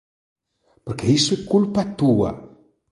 Porque iso é culpa túa.